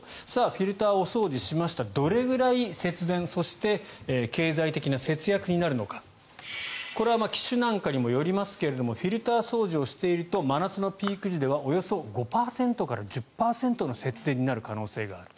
フィルターをお掃除しましたどれくらい節電そして経済的な節約になるのかこれは機種なんかにもよりますがフィルター掃除をしていると真夏のピーク時ではおよそ５％から１０％の節電になる可能性がある。